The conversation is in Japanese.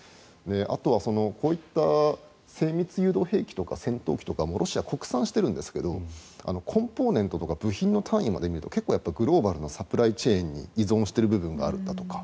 あとはこういった精密誘導兵器とか戦闘機とかもロシアは国産しているんですがコンポーネントとか部品の単位まで見るとグローバルなサプライチェーンに依存している部分があるだとか。